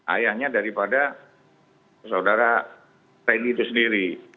ayahnya daripada saudara tni itu sendiri